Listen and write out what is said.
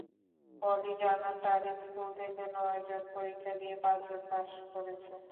পলি জানান, তাঁর স্কুল থেকে নয়জন পরীক্ষা দিয়ে পাঁচজন পাস করেছে।